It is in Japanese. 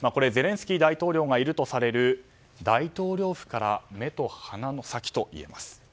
ゼレンスキー大統領がいるとされる大統領府から目と鼻の先と言えます。